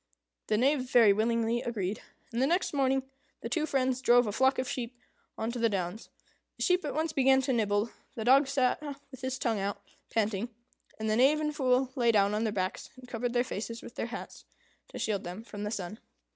The Knave very willingly agreed, and next morning the two friends drove a flock of sheep on to the downs. The sheep at once began to nibble, the dog sat with his tongue out, panting, and the Knave and Fool lay down on their backs, and covered their faces with their hats to shield them from the sun.